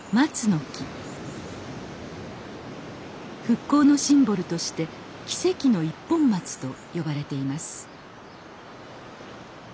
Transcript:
復興のシンボルとして「奇跡の一本松」と呼ばれています。